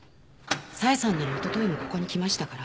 佐江さんならおとといもここに来ましたから。